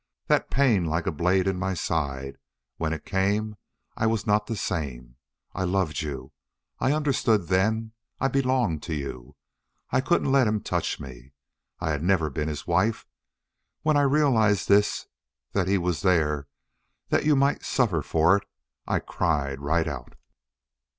That pain like a blade in my side!... When it came I was not the same. I loved you. I understood then. I belonged to you. I couldn't let him touch me. I had never been his wife. When I realized this that he was there, that you might suffer for it I cried right out.